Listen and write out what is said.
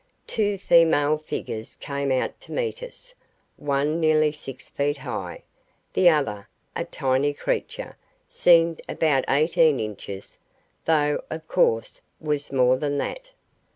Two female figures came out to meet us one nearly six feet high, the other, a tiny creature, seemed about eighteen inches, though, of course, was more than that.